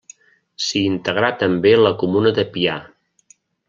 S'hi integrà també la comuna de Pià.